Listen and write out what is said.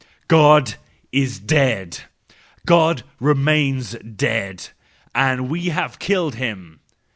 God is dead! God remains dead ! And we have killed him!